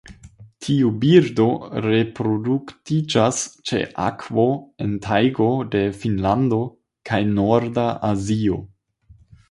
Tiu birdo reproduktiĝas ĉe akvo en tajgo de Finnlando kaj norda Azio.